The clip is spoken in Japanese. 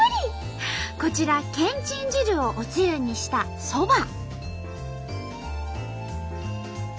こちらけんちん汁をおつゆにしたそば。